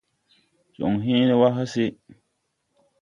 Jɔŋ hẽẽne wà hase.